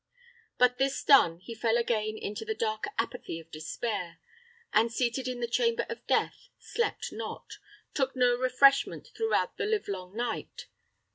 But this done, he fell again into the dark apathy of despair, and, seated in the chamber of death, slept not, took no refreshment throughout the livelong night.